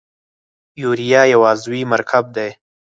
یوریا یو عضوي مرکب دی.